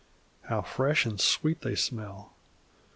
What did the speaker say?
How fresh an' sweet they smell!